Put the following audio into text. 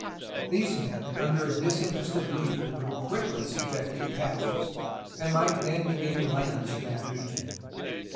These men, under a disinterested leader, would quickly subject the Apaches, and might then be given lands in that region.